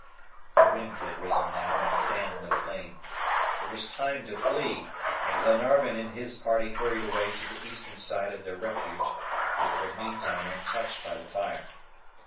The wind had risen now and fanned the flame. It was time to flee, and Glenarvan and his party hurried away to the eastern side of their refuge, which was meantime untouched by the fire.